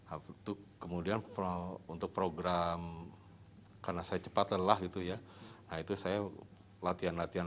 aftu kemudian pro untuk program karena saya cepat lelah gitu ya nah itu saya latihan latihan